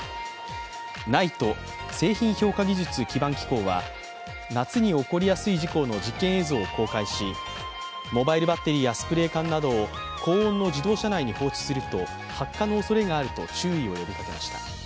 ＮＩＴＥ＝製品評価技術基盤機構は夏に起こりやすい事故の実験映像を公開し、モバイルバッテリーやスプレー缶などを、高温の自動車内に放置すると発火のおそれがあると注意を呼びかけました。